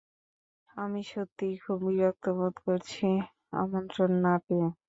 আমি সত্যিই খুব বিরক্ত বোধ করছি আমন্ত্রণ না পেয়ে।